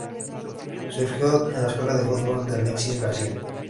Surgió de la Escuela de Fútbol de Alexis García.